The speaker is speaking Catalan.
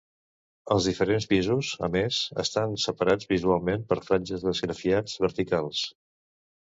Els diferents pisos, a més, estan separats visualment per franges d'esgrafiats verticals.